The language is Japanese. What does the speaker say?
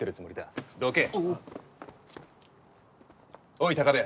おい高林。